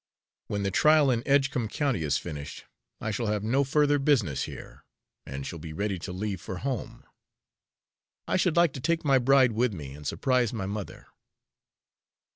When the trial in Edgecombe County is finished, I shall have no further business here, and shall be ready to leave for home. I should like to take my bride with me, and surprise my mother."